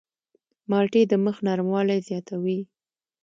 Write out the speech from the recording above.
مالټې د مخ نرموالی زیاتوي.